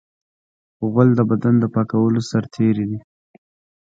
غول د بدن د پاکولو سرتېری دی.